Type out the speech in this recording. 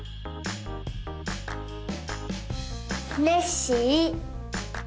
ネッシー。